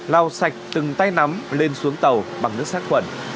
lao sạch từng tay nắm lên xuống tàu bằng nước sát khuẩn